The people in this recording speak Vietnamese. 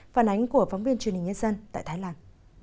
phản ánh của phóng viên truyền hình nhân dân tại thái lan